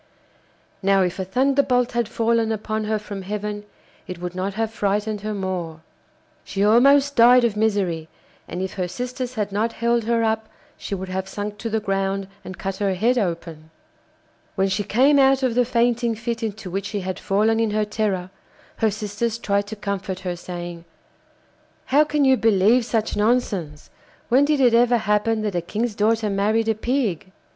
Now if a thunderbolt had fallen upon her from heaven it would not have frightened her more. She almost died of misery, and if her sisters had not held her up, she would have sunk to the ground and cut her head open. When she came out of the fainting fit into which she had fallen in her terror, her sisters tried to comfort her, saying: 'How can you believe such nonsense? When did it ever happen that a king's daughter married a pig?